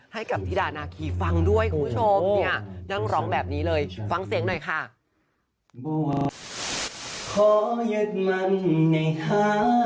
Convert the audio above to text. ให้กับธิดานาคีฟังด้วยคุณผู้ชมเนี่ยนั่งร้องแบบนี้เลยฟังเสียงหน่อยค่ะ